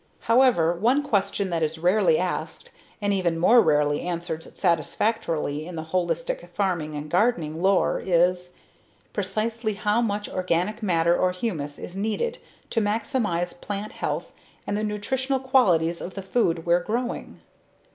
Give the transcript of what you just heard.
However, one question that is rarely asked and even more rarely answered satisfactorily in the holistic farming and gardening lore is: Precisely how much organic matter or humus is needed to maximize plant health and the nutritional qualities of the food we're growing?